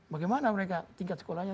bagaimana mereka tingkat sekolahnya